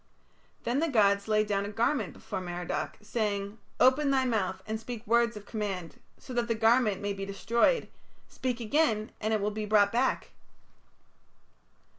Then the gods laid down a garment before Merodach, saying: "Open thy mouth and speak words of command, so that the garment may be destroyed; speak again and it will be brought back."